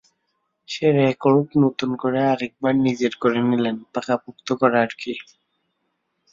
সে record নতুন করে আরেকবার নিজের করে নিলেন, পাকাপোক্ত করা আরকি।